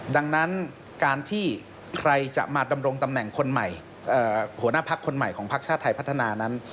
ดังนั้นการที่ใครจะมาดำรงตำแหน่งคนใหม่หัวหน้าพักคนใหม่ของพักชาติไทยพัฒนานั้น